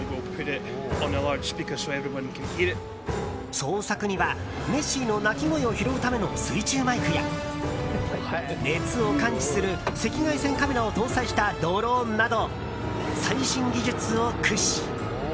捜索には、ネッシーの鳴き声を拾うための水中マイクや熱を感知する赤外線カメラを搭載したドローンなど最新技術を駆使。